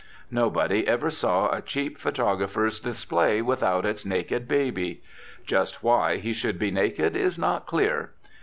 Nobody ever saw a cheap photographer's display without its naked baby. Just why he should be naked is not clear.